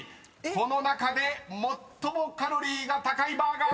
［この中で最もカロリーが高いバーガーです］